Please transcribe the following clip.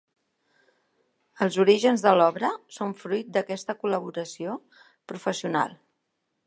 Els orígens de l'obra són fruit d'aquesta col·laboració professional.